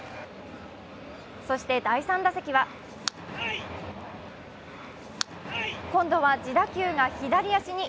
そして第３打席は今度は自打球が左足に。